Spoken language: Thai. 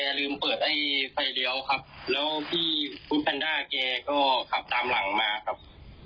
ลืมเปิดไอ้ไฟเลี้ยวครับแล้วพี่คุณแพนด้าแกก็ขับตามหลังมาครับ